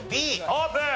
Ｂオープン！